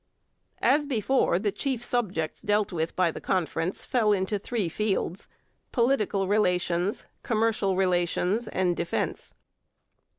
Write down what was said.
As before, the chief subjects dealt with by the Conference fell into three fields political relations, commercial relations, and defence.